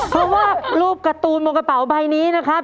เพราะว่ารูปการ์ตูนบนกระเป๋าใบนี้นะครับ